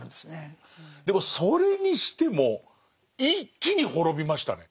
でもそれにしても一気に滅びましたね。